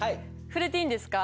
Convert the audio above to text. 触れていいんですか？